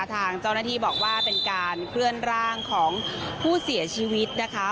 ทางเจ้าหน้าที่บอกว่าเป็นการเคลื่อนร่างของผู้เสียชีวิตนะคะ